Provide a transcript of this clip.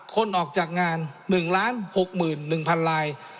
คนออกจากงาน๑๖๑๐๐๐ลาย